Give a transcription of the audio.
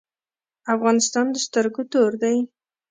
افغانستان د سترګو تور دی؟